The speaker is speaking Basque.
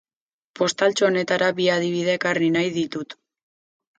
Postaltxo honetara bi adibide ekarri nahi ditut.